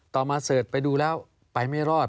ต่อมาเสิร์ชไปดูแล้วไปไม่รอด